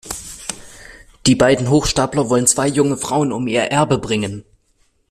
Die beiden Hochstapler wollen zwei junge Frauen um ihr Erbe bringen.